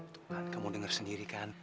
tuh kan kamu dengar sendiri kan